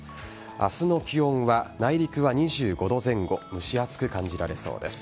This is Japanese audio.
明日の気温は内陸は２５度前後蒸し暑く感じられそうです。